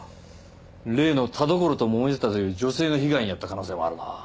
例の田所ともめてたという女性が被害に遭った可能性はあるな。